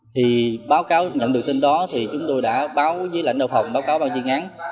thì báo cáo nhận được tin đó thì chúng tôi đã báo với lãnh đạo phòng báo cáo ban chuyên án